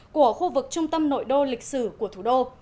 của khu vực trung tâm nội đô lịch sử của thủ đô